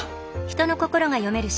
人の心が読める